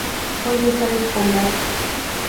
Hoy está despoblada.